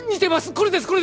これです